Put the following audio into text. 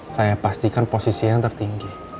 saya pastikan posisi yang tertinggi